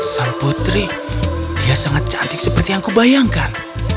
sang putri dia sangat cantik seperti yang kubayangkan